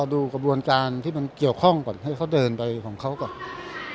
ดูกระบวนการที่มันเกี่ยวข้องก่อนให้เขาเดินไปของเขาก่อน